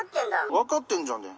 分かってんじゃんね。